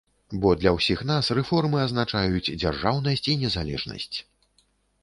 Бо для ўсіх нас рэформы азначаюць дзяржаўнасць і незалежнасць.